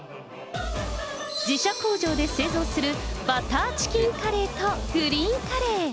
自社工場で製造するバターチキンカレーとグリーンカレー。